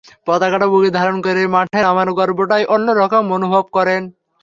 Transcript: পতাকাটা বুকে ধারণ করে মাঠে নামার গর্বটাই অন্য রকম অনুভব করেন।